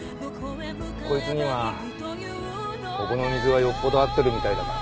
こいつにはここの水がよっぽど合ってるみたいだから。